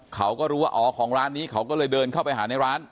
เขาก็รู้ว่าอ๋อของร้านนี้เขาก็เลยเดินเข้าไปหาในร้าน